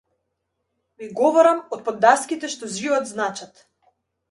Ви говорам од под даските што живот значат!